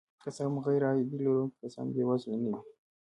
که څه هم غیرعاید لرونکي کسان بې وزله نه وي